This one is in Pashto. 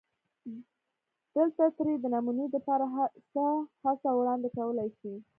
دلته ترې دنمونې دپاره څۀ حصه وړاندې کولی شي